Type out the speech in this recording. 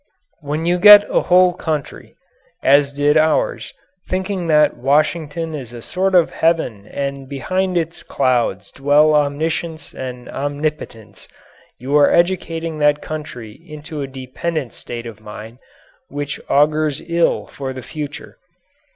When you get a whole country as did ours thinking that Washington is a sort of heaven and behind its clouds dwell omniscience and omnipotence, you are educating that country into a dependent state of mind which augurs ill for the future.